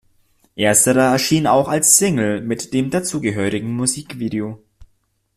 Ersterer erschien auch als Single mit dazugehörigem Musikvideo.